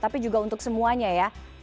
tapi juga untuk semuanya ya